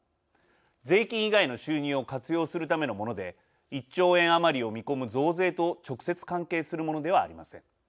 税金以外の収入を活用するためのもので１兆円余りを見込む増税と直接関係するものではありません。